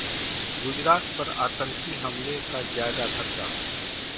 'गुजरात पर आतंकी हमले का ज्यादा खतरा'